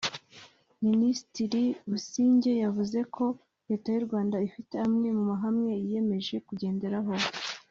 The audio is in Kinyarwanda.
Minisitiri Busingye yavuze ko Leta y’u Rwanda ifite amwe mu mahame yiyemeje kugenderaho